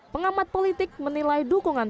pengamat politik menilai dukungan